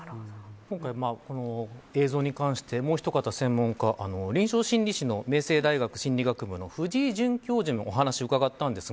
今回、映像に関してもうひとかた専門家臨床心理士の明星大学心理学部の藤井准教授にもお話を伺いました。